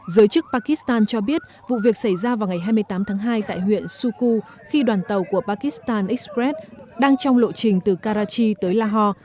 giới chức pakistan cho biết vụ việc xảy ra vào ngày hai mươi tám tháng hai tại huyện suku khi đoàn tàu của pakistan express đang trong lộ trình từ karachi tới lahore